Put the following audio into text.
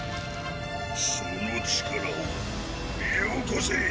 その力をよこせ！